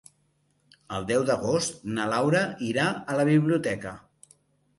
El deu d'agost na Laura irà a la biblioteca.